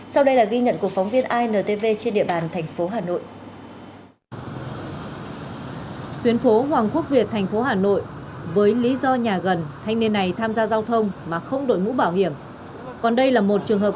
sau đây là ghi nhận của phóng viên intv trên địa bàn thành phố hà nội